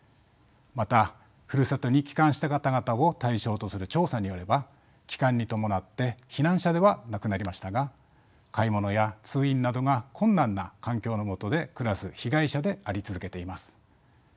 またふるさとに帰還した方々を対象とする調査によれば帰還に伴って避難者ではなくなりましたが買い物や通院などが困難な環境のもとで暮らす被害者であり続けています。